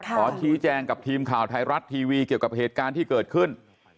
ขอชี้แจงกับทีมข่าวไทยรัฐทีวีเกี่ยวกับเหตุการณ์ที่เกิดขึ้น